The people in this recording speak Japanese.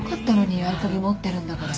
合鍵持ってるんだから。